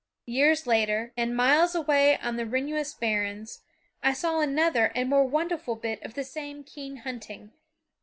Years later, and miles away on the Renous barrens, I saw another and more wonderful bit of the same keen hunting.